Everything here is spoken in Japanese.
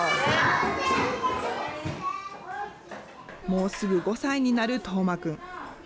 もうすぐ５歳になる叶真くん。